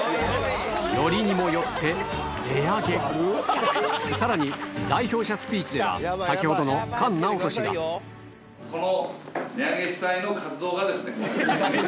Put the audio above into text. よりにもよって「値上げ」さらに代表者スピーチでは先ほどの菅直人がこの。